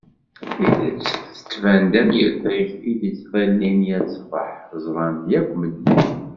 Tidet tban-d am yiṭij i d-yettḍillin yal ṣṣbeḥ ẓran-t akk medden.